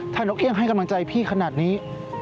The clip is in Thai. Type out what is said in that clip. ถ้านกเอี่ยงให้กำลังใจพี่ขนาดนี้